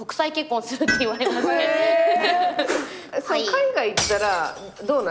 海外行ったらどうなん？